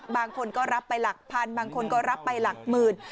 บางคนก็รับไปหลักพันบางคนก็รับไปหลักหมื่น